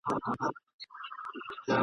دلته هرڅه سودا کیږي څه بازار ته یم راغلی !.